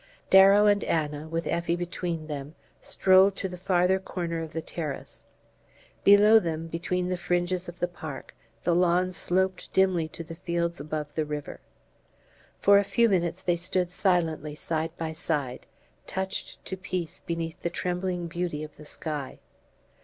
Darrow and Anna, with Effie between them, strolled to the farther corner of the terrace. Below them, between the fringes of the park, the lawn sloped dimly to the fields above the river. For a few minutes they stood silently side by side, touched to peace beneath the trembling beauty of the sky.